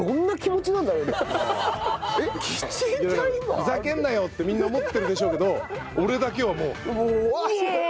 ふざけんなよってみんな思ってるでしょうけど俺だけはもううわあっ！